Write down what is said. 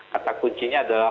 kata kuncinya adalah